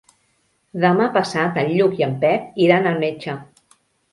Demà passat en Lluc i en Pep iran al metge.